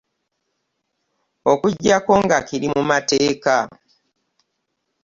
Okujjako nga kiri mu mateeka.